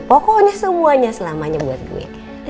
pokoknya semuanya selamanya buat gue